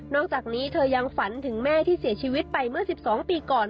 อกจากนี้เธอยังฝันถึงแม่ที่เสียชีวิตไปเมื่อ๑๒ปีก่อน